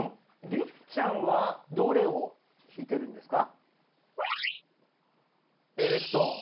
りっちゃんはどれを弾いてるんですか？